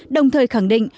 đồng thời khẳng định